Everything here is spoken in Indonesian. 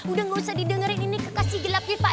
udah enggak usah didengerin ini kekasih gelapnya pak rt